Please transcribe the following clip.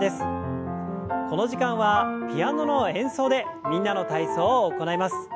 この時間はピアノの演奏で「みんなの体操」を行います。